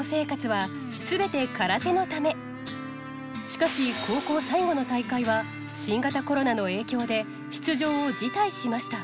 しかし高校最後の大会は新型コロナの影響で出場を辞退しました。